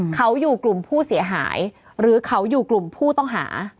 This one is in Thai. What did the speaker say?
เขาอยู่กลุ่มผู้เสียหายหรือเขาอยู่กลุ่มผู้ต้องหา